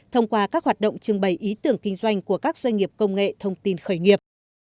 thông qua các hoạt động trưng bày ý tưởng kinh doanh của các doanh nghiệp công nghệ thông tin khởi nghiệp